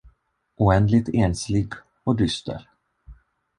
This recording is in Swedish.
Oändligt enslig och dyster.